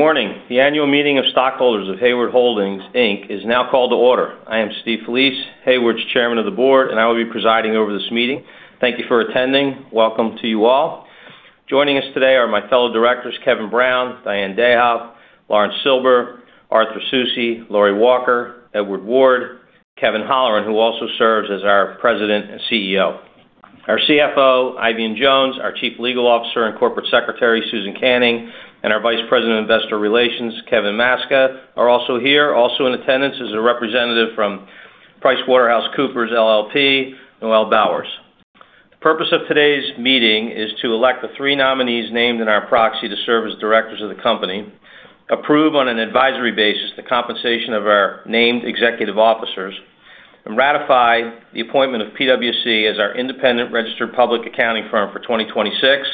Morning. The annual meeting of stockholders of Hayward Holdings, Inc. is now called to order. I am Steve Felice, Hayward's Chairman of the Board, and I will be presiding over this meeting. Thank you for attending. Welcome to you all. Joining us today are my fellow Directors, Kevin Brown, Diane S. Dayhoff, Lawrence Silber, Arthur Soucy, Lori A. Walker, Edward Ward, Kevin Holleran, who also serves as our President and CEO. Our CFO, Eifion Jones, our Chief Legal Officer and Corporate Secretary, Susan Canning, and our Vice President of Investor Relations, Kevin Maczka, are also here. Also in attendance is a representative from PricewaterhouseCoopers, LLP, Noel Bowers. The purpose of today's meeting is to elect the three nominees named in our proxy to serve as directors of the company, approve on an advisory basis the compensation of our named executive officers, and ratify the appointment of PwC as our independent registered public accounting firm for 2026,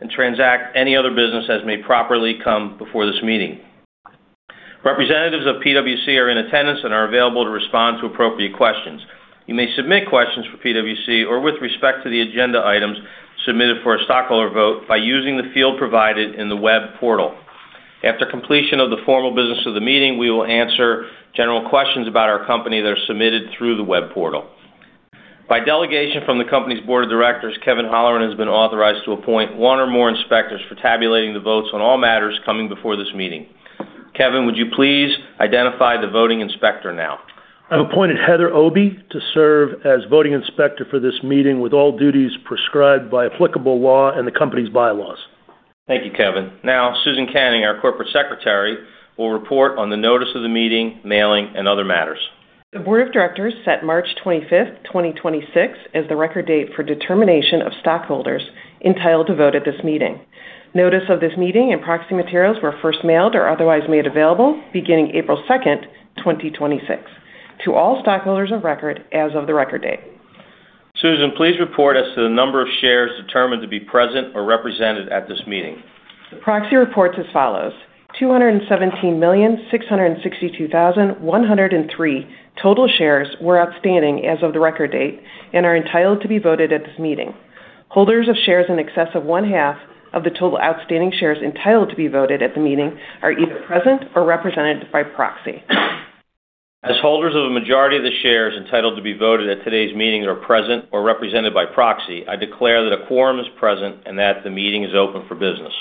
and transact any other business as may properly come before this meeting. Representatives of PwC are in attendance and are available to respond to appropriate questions. You may submit questions for PwC or with respect to the agenda items submitted for a stockholder vote by using the field provided in the web portal. After completion of the formal business of the meeting, we will answer general questions about our company that are submitted through the web portal. By delegation from the Company's Board of Directors, Kevin Holleran has been authorized to appoint one or more inspectors for tabulating the votes on all matters coming before this meeting. Kevin, would you please identify the voting inspector now? I've appointed Heather Obey to serve as voting inspector for this meeting with all duties prescribed by applicable law and the company's bylaws. Thank you, Kevin. Now, Susan Canning, our Corporate Secretary, will report on the notice of the meeting, mailing, and other matters. The board of directors set March 25th, 2026 as the record date for determination of stockholders entitled to vote at this meeting. Notice of this meeting and proxy materials were first mailed or otherwise made available beginning April 2nd, 2026 to all stockholders of record as of the record date. Susan, please report as to the number of shares determined to be present or represented at this meeting. The proxy reports as follows: 217,662,103 total shares were outstanding as of the record date and are entitled to be voted at this meeting. Holders of shares in excess of one-half of the total outstanding shares entitled to be voted at the meeting are either present or represented by proxy. As holders of a majority of the shares entitled to be voted at today's meeting that are present or represented by proxy, I declare that a quorum is present and that the meeting is open for business.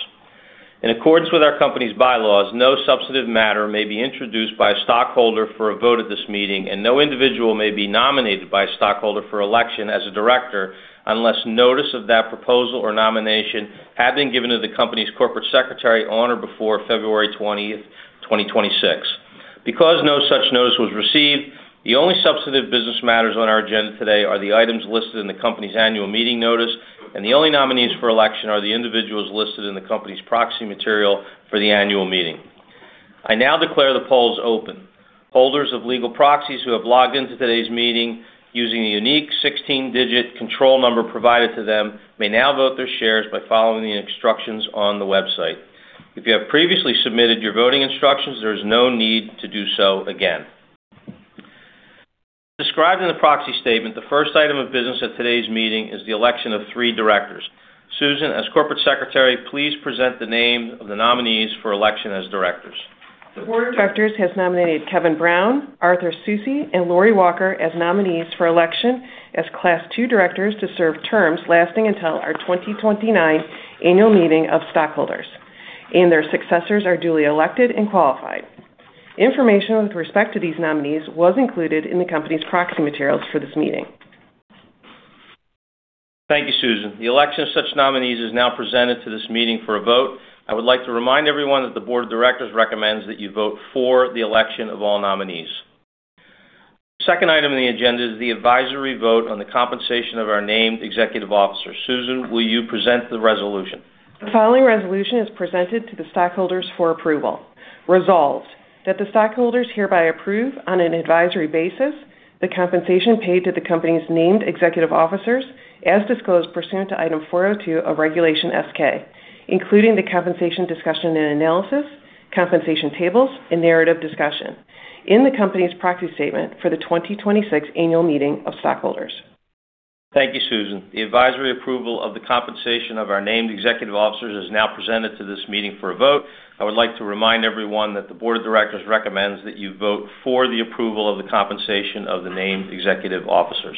In accordance with our company's bylaws, no substantive matter may be introduced by a stockholder for a vote at this meeting, and no individual may be nominated by a stockholder for election as a director unless notice of that proposal or nomination had been given to the company's corporate secretary on or before February 20, 2026. Because no such notice was received, the only substantive business matters on our agenda today are the items listed in the company's annual meeting notice, and the only nominees for election are the individuals listed in the company's proxy material for the annual meeting. I now declare the polls open. Holders of legal proxies who have logged into today's meeting using the unique 16-digit control number provided to them may now vote their shares by following the instructions on the website. If you have previously submitted your voting instructions, there is no need to do so again. Described in the proxy statement, the first item of business at today's meeting is the election of three directors. Susan, as Corporate Secretary, please present the names of the nominees for election as directors. The board of directors has nominated Kevin Brown, Arthur Soucy, and Lori Walker as nominees for election as Class two directors to serve terms lasting until our 2029 annual meeting of stockholders and their successors are duly elected and qualified. Information with respect to these nominees was included in the company's proxy materials for this meeting. Thank you, Susan. The election of such nominees is now presented to this meeting for a vote. I would like to remind everyone that the board of directors recommends that you vote for the election of all nominees. Second item on the agenda is the advisory vote on the compensation of our named executive officer. Susan, will you present the resolution? The following resolution is presented to the stockholders for approval. Resolved that the stockholders hereby approve on an advisory basis the compensation paid to the company's named executive officers as disclosed pursuant to Item 402 of Regulation S-K, including the compensation discussion and analysis, compensation tables, and narrative discussion in the company's proxy statement for the 2026 annual meeting of stockholders. Thank you, Susan. The advisory approval of the compensation of our named executive officers is now presented to this meeting for a vote. I would like to remind everyone that the Board of Directors recommends that you vote for the approval of the compensation of the named executive officers.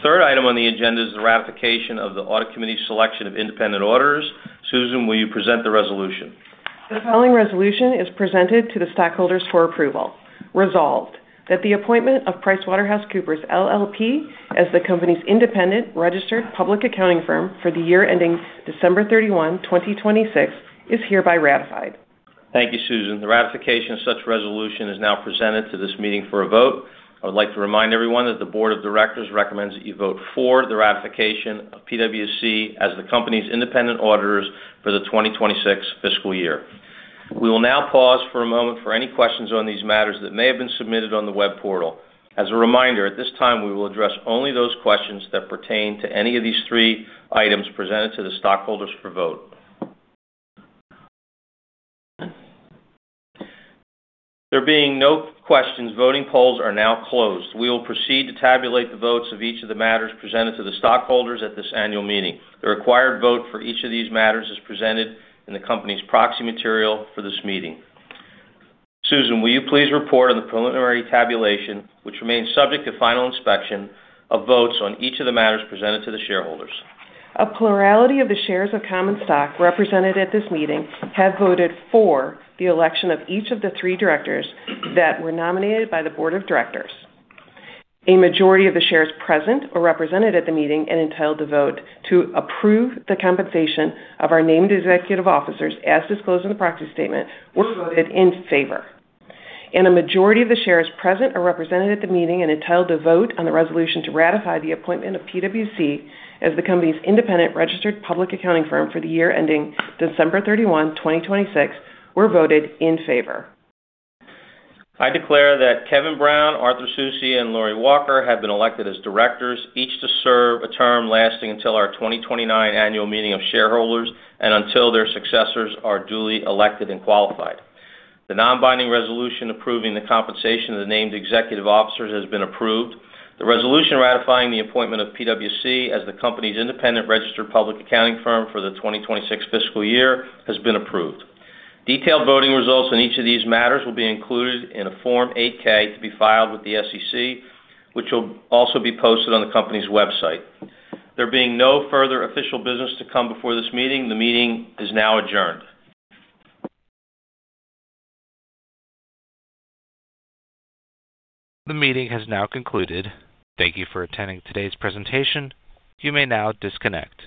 Third item on the agenda is the ratification of the Audit Committee's selection of independent auditors. Susan, will you present the resolution? The following resolution is presented to the stockholders for approval. Resolved that the appointment of PricewaterhouseCoopers LLP as the company's independent registered public accounting firm for the year ending December 31, 2026 is hereby ratified. Thank you, Susan. The ratification of such resolution is now presented to this meeting for a vote. I would like to remind everyone that the board of directors recommends that you vote for the ratification of PwC as the company's independent auditors for the FY 2026. We will now pause for a moment for any questions on these matters that may have been submitted on the web portal. As a reminder, at this time, we will address only those questions that pertain to any of these three items presented to the stockholders for vote. There being no questions, voting polls are now closed. We will proceed to tabulate the votes of each of the matters presented to the stockholders at this annual meeting. The required vote for each of these matters is presented in the company's proxy material for this meeting. Susan, will you please report on the preliminary tabulation, which remains subject to final inspection of votes on each of the matters presented to the shareholders? A plurality of the shares of common stock represented at this meeting have voted for the election of each of the three directors that were nominated by the board of directors. A majority of the shares present or represented at the meeting and entitled to vote to approve the compensation of our named executive officers as disclosed in the proxy statement were voted in favor. A majority of the shares present or represented at the meeting and entitled to vote on the resolution to ratify the appointment of PwC as the company's independent registered public accounting firm for the year ending December 31, 2026 were voted in favor. I declare that Kevin Brown, Arthur Soucy, and Lori Walker have been elected as directors, each to serve a term lasting until our 2029 annual meeting of shareholders and until their successors are duly elected and qualified. The non-binding resolution approving the compensation of the named executive officers has been approved. The resolution ratifying the appointment of PwC as the company's independent registered public accounting firm for the 2026 fiscal year has been approved. Detailed voting results on each of these matters will be included in a Form 8-K to be filed with the SEC, which will also be posted on the company's website. There being no further official business to come before this meeting, the meeting is now adjourned. The meeting has now concluded. Thank you for attending today's presentation. You may now disconnect.